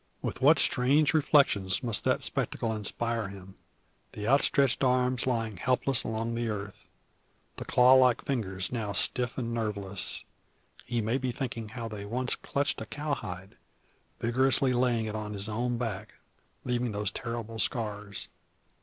With what strange reflections must that spectacle inspire him! The outstretched arms lying helpless along the earth the claw like fingers now stiff and nerveless he may be thinking how they once clutched a cowhide, vigorously laying it on his own back, leaving those terrible scars.